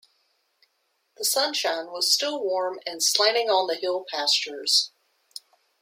The sunshine was still warm and slanting on the hill pastures.